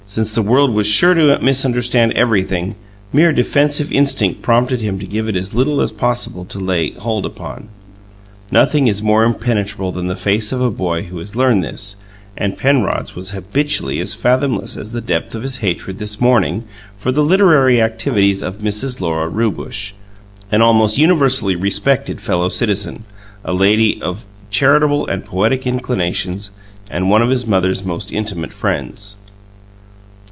Since the world was sure to misunderstand everything, mere defensive instinct prompted him to give it as little as possible to lay hold upon. Nothing is more impenetrable than the face of a boy who has learned this, and Penrod's was habitually as fathomless as the depth of his hatred this morning for the literary activities of Mrs. Lora Rewbush an almost universally respected fellow citizen, a lady of charitable and poetic inclinations, and one of his own mother's most intimate friends.